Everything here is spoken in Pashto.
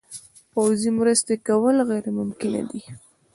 پوځي مرستې کول غیر ممکنه ده.